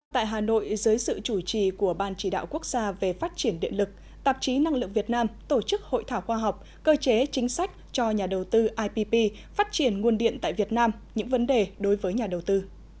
tại hà nội dưới sự chủ trì của ban chỉ đạo quốc gia về phát triển điện lực tạp chí năng lượng việt nam tổ chức hội thảo khoa học cơ chế chính sách cho nhà đầu tư ipp phát triển nguồn điện tại việt nam những vấn đề đối với nhà đầu tư